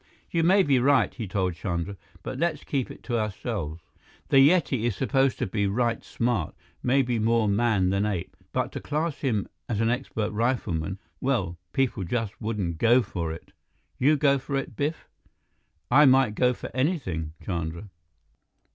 "You may be right," he told Chandra, "but let's keep it to ourselves. The Yeti is supposed to be right smart, maybe more man than ape. But to class him as a expert rifleman, well, people just wouldn't go for it." "You go for it, Biff?" "I might go for anything, Chandra."